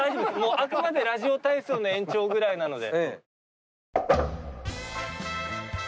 あくまでラジオ体操の延長ぐらいなので。